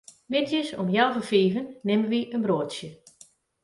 Middeis om healwei fiven nimme wy in broadsje.